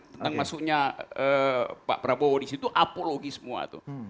tentang masuknya pak prabowo disitu apologi semua tuh